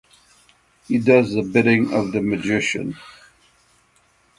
He does the bidding of the Magician.